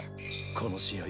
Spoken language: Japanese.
この試合